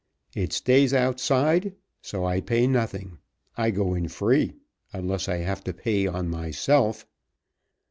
It stays outside. So I pay nothing. I go in free. Unless I have to pay on myself."